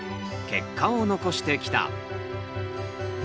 結果を残してきた。